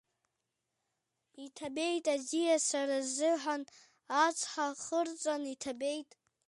Иҭабеит аӡиас сара сзыҳәан, ацҳа хырҵан иҭабеит…